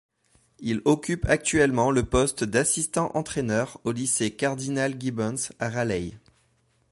Il occupe actuellement le poste d'assistant entraîneur au lycée Cardinal Gibbons à Raleigh.